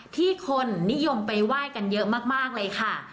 ที่คนนิยมไปไหว้กันเยอะมากเลยค่ะ